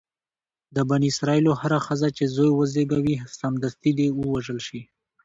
د بني اسرایلو هره ښځه چې زوی وزېږوي سمدستي دې ووژل شي.